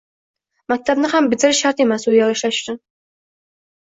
maktabni ham bitirish shart emas u yerda ishlash uchun.